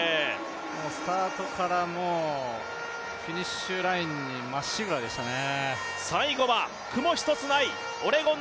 スタートからもうフィニッシュラインにまっしぐらでしたね。